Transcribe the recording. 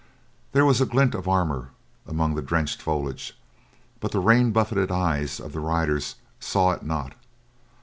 There was a glint of armor among the drenched foliage, but the rain buffeted eyes of the riders saw it not.